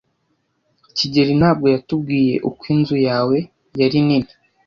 kigeli ntabwo yatubwiye uko inzu yawe yari nini.